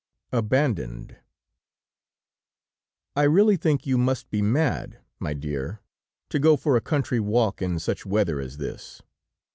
ABANDONED "I really think you must be mad, my dear, to go for a country walk in such weather as this.